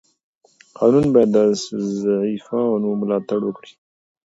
قانون باید د ضعیفانو ملاتړ وکړي.